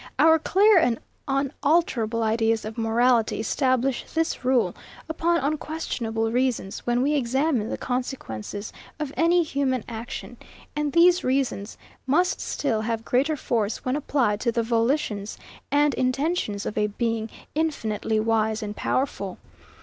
Our clear and unalterable ideas of morality establish this rule, upon unquestionable reasons, when we examine the consequences of any human action; and these reasons must still have greater force when applied to the volitions and intentions of a Being infinitely wise and powerful.